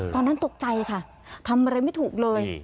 ตอนนั้นตกใจค่ะทำอะไรไม่ถูกเลย